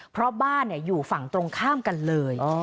เพราะบ้านอยู่ฝั่งตรงข้ามกันเลย